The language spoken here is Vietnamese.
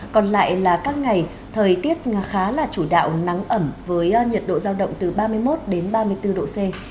còn lại là các ngày thời tiết khá là chủ đạo nắng ẩm với nhiệt độ giao động từ ba mươi một đến ba mươi bốn độ c